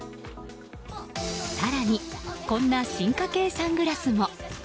更に、こんな進化形サングラスも。